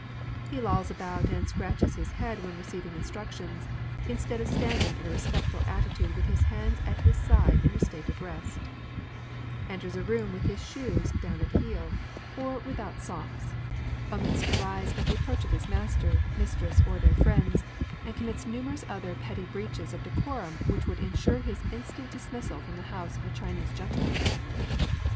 He lolls about and scratches his head when receiving instructions, instead of standing in a respectful atti tude Avith his hands at his side in a state of rest ; enters a room with his shoes down at heel, or without » ETIQUETTE. 21 socks; omits to rise at the approach of his master, mistress, or their friends, and commits numerous other petty breaches of decorum which would ensure his instant dismissal from the house of a Chinese gentle man.